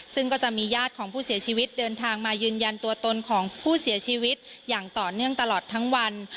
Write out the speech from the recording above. ซึ่งก็จะมีญาติของผู้เสียชีวิตเดินทางมายืนยันตัวตนของผู้เสียชีวิตอย่างต่อเนื่องตลอดทั้งวัน